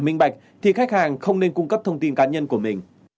minh bạch thì khách hàng không nên cung cấp thông tin cá nhân của mình